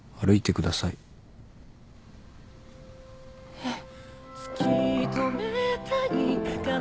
えっ？